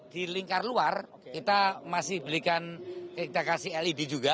di lingkar luar kita masih belikan kita kasih led juga